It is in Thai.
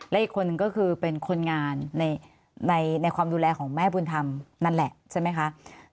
และอีกคนนึงก็คือเป็นคนงานในความดูแลของแม่บุญธรรมนั่นแหละใช่ไหมคะ